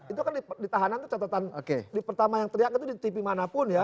itu kan di tahanan itu catatan pertama yang teriak itu di tv manapun ya